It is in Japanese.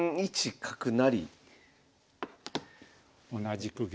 同じく玉。